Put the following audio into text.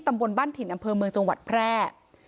ตำบลบ้านถิ่นอำเภอเมืองจังหวัดแพร่